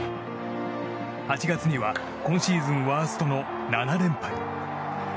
８月には今シーズンワーストの７連敗。